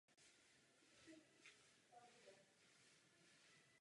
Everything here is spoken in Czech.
Jako expert na danou problematiku spolupracoval s Českou televizí i rozličnými autory.